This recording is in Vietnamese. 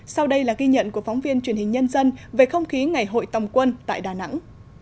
sau đây là ghi nhận của phóng viên truyền hình nhân dân về không khí ngày hội tòng quân tại đà nẵng